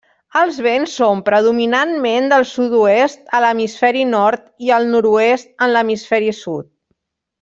Els vents són predominantment del sud-oest a l'Hemisferi Nord i el nord-oest en l'Hemisferi sud.